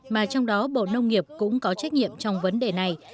mà trong đó bộ nông nghiệp cũng có trách nhiệm trong vấn đề này